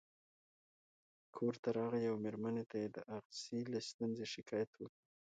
کور ته راغی او مېرمنې ته یې د اغزي له ستونزې شکایت وکړ.